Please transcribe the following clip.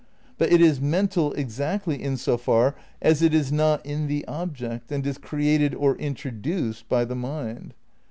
But it is mental exactly in so far as it is not in the object and is created or "introduced by" the mind.